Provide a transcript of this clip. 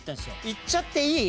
いっちゃっていい？